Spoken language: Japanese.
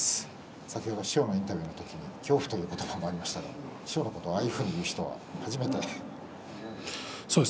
先ほど師匠のインタビューの時に恐怖という言葉もありましたが師匠のことをああいうふうに言う人は初めてです。